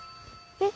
えっ？